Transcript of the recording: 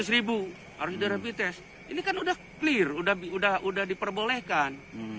dua ratus ribu harus ada rapi tes ini kan udah clear udah diperbolehkan